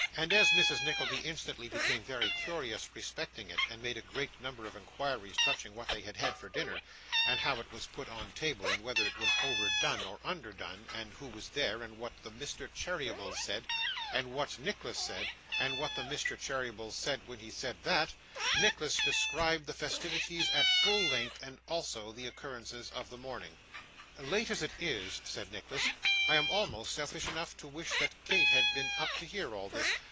And as Mrs. Nickleby instantly became very curious respecting it, and made a great number of inquiries touching what they had had for dinner, and how it was put on table, and whether it was overdone or underdone, and who was there, and what 'the Mr. Cherrybles' said, and what Nicholas said, and what the Mr. Cherrybles said when he said that; Nicholas described the festivities at full length, and also the occurrences of the morning. 'Late as it is,' said Nicholas, 'I am almost selfish enough to wish that Kate had been up to hear all this.